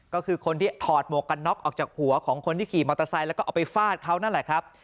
ก็คือคนที่ถอดหมวกกันน็อกออกจากหัวของคนที่ขี่มอเตอร์ไซค์แล้วก็เอาไปฟาดเขานั่นแหละครับ